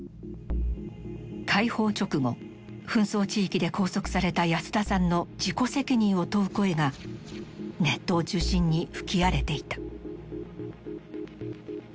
解放直後紛争地域で拘束された安田さんの自己責任を問う声がネットを中心に吹き荒れていた。